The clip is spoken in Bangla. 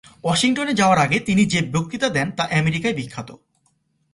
ওয়াশিংটনে যাওয়ার আগে তিনি যে বক্তৃতা দেন তা আমেরিকায় বিখ্যাত।